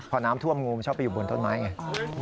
พอน้ำท่วมงูมันชอบไปอยู่บนต้นไม้ไง